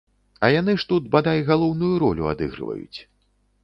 А яны ж тут, бадай, галоўную ролю адыгрываюць.